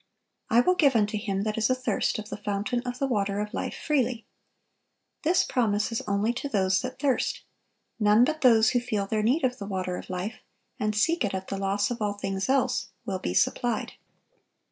"I will give unto him that is athirst of the fountain of the water of life freely."(942) This promise is only to those that thirst. None but those who feel their need of the water of life, and seek it at the loss of all things else, will be supplied.